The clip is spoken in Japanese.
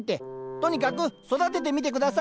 とにかく育ててみて下さい。